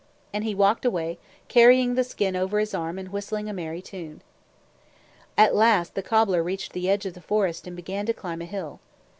Then he walked away, carrying the skin over his arm and whistling a merry tune. At last the cobbler reached the edge of the forest and began to climb a hill.